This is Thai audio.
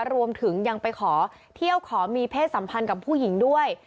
รวมถึงยังไปขอเที่ยวขอมีเพศสัมพันธ์กับผู้หญิงด้วย